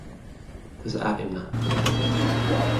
ተሰዓዒምና።